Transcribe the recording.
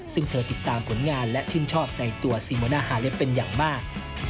ซึ่งเธอติดตามผลงานและชื่นชอบในตัวซีโมนาฮาเล็บเป็นอย่างมาก